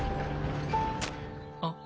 あっ。